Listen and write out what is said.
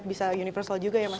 bisa universal juga ya mas